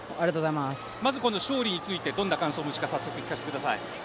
この勝利についてどんな感想をお持ちか聞かせてください。